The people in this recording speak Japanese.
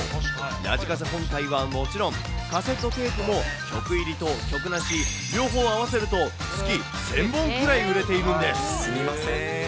ラジカセ本体はもちろん、カセットテープも曲入りと曲なし、両方合わせると、月１０００本くすみません。